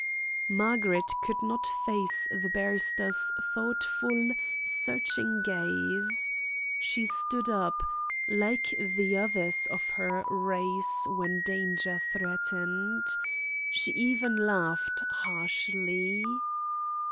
Margaret could not face the barrister's thoughtful, searching gaze. She stood up like the others of her race when danger threatened. She even laughed harshly.